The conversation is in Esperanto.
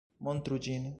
Montru ĝin!